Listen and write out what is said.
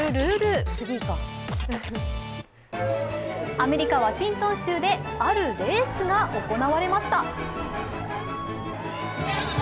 アメリカ・ワシントン州であるレースが行われました。